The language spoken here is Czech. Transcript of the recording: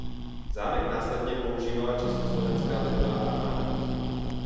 Zámek následně používala Československá lidová armáda.